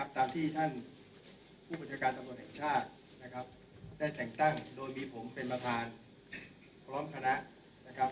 ตามที่ท่านผู้บัญชาการตำรวจแห่งชาติได้แต่งตั้งโดยมีผมเป็นมาฐานพร้อมคณะ